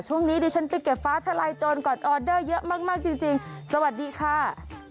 ดิฉันไปเก็บฟ้าทลายโจรก่อนออเดอร์เยอะมากจริงสวัสดีค่ะ